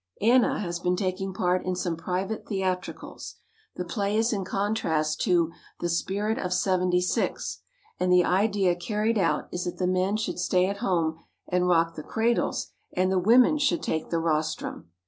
Anna has been taking part in some private theatricals. The play is in contrast to "The Spirit of '76" and the idea carried out is that the men should stay at home and rock the cradles and the women should take the rostrum.